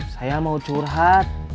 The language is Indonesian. saya mau curhat